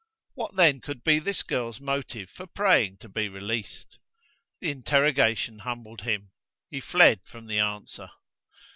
What, then, could be this girl's motive for praying to be released? The interrogation humbled him: he fled from the answer.